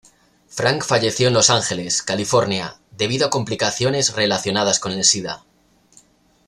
Frank falleció en Los Angeles, California, debido a complicaciones relacionadas con el sida.